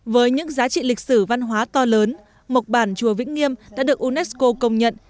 với những giá trị lịch sử văn hóa to lớn mộc bản chùa vĩnh nghiêm đã được unesco công nhận